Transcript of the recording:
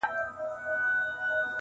• هره ورځ یې شل او دېرش ورنه پلورلې -